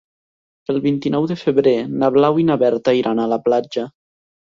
El vint-i-nou de febrer na Blau i na Berta iran a la platja.